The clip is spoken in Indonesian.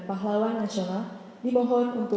kau melintasi setiap orang